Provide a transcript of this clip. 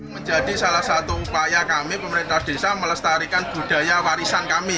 menjadi salah satu upaya kami pemerintah desa melestarikan budaya warisan kami